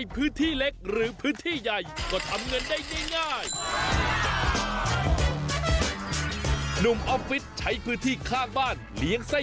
โปรดติดตามตอนต่อไป